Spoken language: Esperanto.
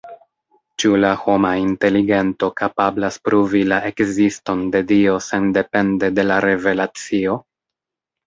Ĉu la homa inteligento kapablas pruvi la ekziston de Dio sendepende de la Revelacio?